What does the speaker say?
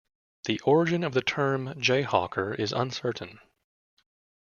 The origin of the term "Jayhawker" is uncertain.